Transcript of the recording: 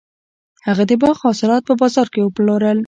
هغه د باغ حاصلات په بازار کې وپلورل.